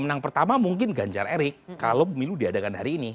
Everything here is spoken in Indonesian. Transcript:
yang pertama mungkin ganjar erik kalau pemilu diadakan hari ini